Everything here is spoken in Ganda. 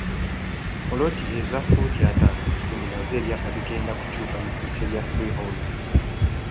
Ppoloti eza ffuuti ataano ku kikumi nazo ebyapa bigenda kukyuka bifuuke bya freehold.